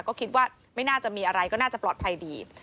ก็คิดว่าไม่น่าจะมีอะไรก็น่าจะปลอดภัยดี